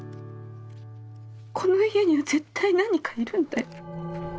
この家には絶対何かいるんだよ。